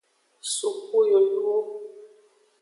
Suku yoyuwo.